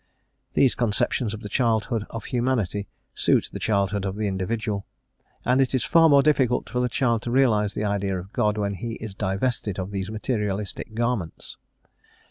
These conceptions of the childhood of humanity suit the childhood of the individual, and it is far more difficult for the child to realize the idea of God when he is divested of these materialistic garments.